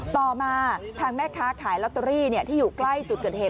ต่อมาทางแม่ค้าขายลอตเตอรี่ที่อยู่ใกล้จุดเกิดเหตุ